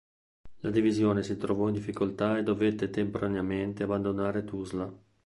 La divisione si trovò in difficoltà e dovette temporaneamente abbandonare Tuzla.